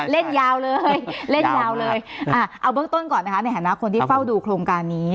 เล่นยาวเลยเล่นยาวเลยเอาเบื้องต้นก่อนนะคะในฐานะคนที่เฝ้าดูโครงการนี้